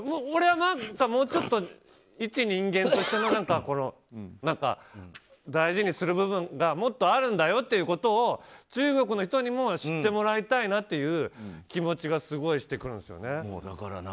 俺なんか、もうちょっといち人間として大事にする部分がもっとあるんだよっていうことを中国の人にも知ってもらいたいなという気持ちがしてくるんですよね。